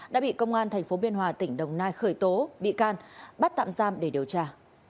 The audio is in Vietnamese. đã bị công an tp biên hòa tỉnh đồng nai khởi tố bị can bắt tạm giam để điều tra